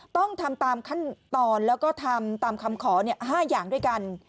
ต้องทำตามขั้นตอนแล้วก็ทำตามคำขอ๕อย่างด้วยกัน